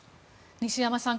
西山さん